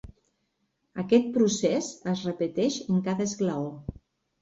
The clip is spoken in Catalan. Aquest procés es repeteix en cada esglaó.